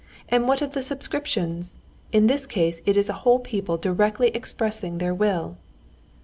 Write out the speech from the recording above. "And what of the subscriptions? In this case it is a whole people directly expressing their will."